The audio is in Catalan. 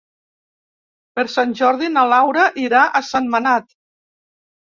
Per Sant Jordi na Laura irà a Sentmenat.